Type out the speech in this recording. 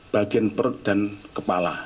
bagian perut dan kepala